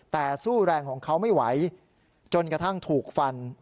แต่สู้แรงของเขาไม่ไหวจนกระทั่งถูกฟัน